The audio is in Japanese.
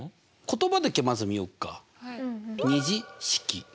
言葉だけまず見よっか。